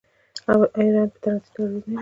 آیا ایران په ټرانزیټ کې عاید نلري؟